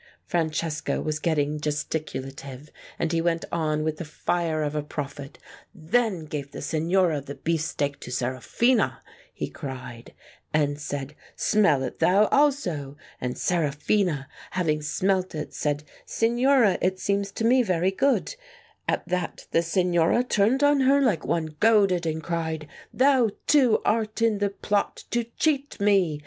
Francesco was getting gesticulative, and he went on with the fire of a prophet. "Then gave the Signora the beefsteak to Sera phina," he cried, "and said ' Smell it thou also.' And Seraphina, having smelt it, said, ' Signora, it seems to me very good.' At that the Signora turned on her like one goaded and cried—' Thou too art in the plot to cheat me